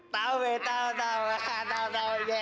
tau be tau tau